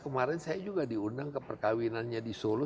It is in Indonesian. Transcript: kemarin saya juga diundang ke perkawinannya di solo